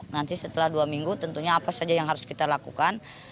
nanti setelah dua minggu tentunya apa saja yang harus kita lakukan